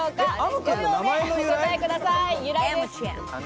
５秒でお答えください。